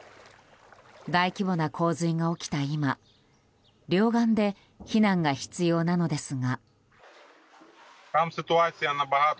大規模な洪水が起きた今両岸で避難が必要なのですが。